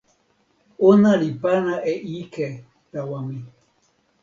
ona li pana e ike tawa mi.